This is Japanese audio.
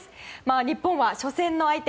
日本は初戦の相手